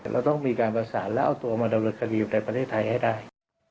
เราต้องมีการประสานแล้วเอาตัวมาดำเนินคดีอยู่ในประเทศไทยให้ได้